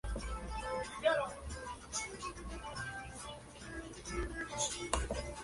El nombre del plato fue en honor al artista del renacimiento Vittore Carpaccio.